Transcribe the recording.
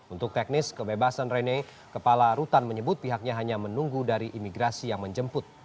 untuk teknis kebebasan rene kepala rutan menyebut pihaknya hanya menunggu dari imigrasi yang menjemput